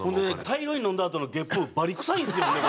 大量に飲んだあとのゲップバリ臭いんですよねこれ。